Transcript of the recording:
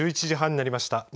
１１時半になりました。